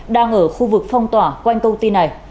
đang ở khu vực phong tỏa quanh công ty này